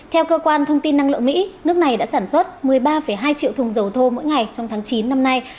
theo cơ quan thông tin năng lượng mỹ nước này đã sản xuất một mươi ba hai triệu thùng dầu thô mỗi ngày trong tháng chín năm nay